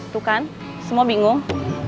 tuh kan semua bingung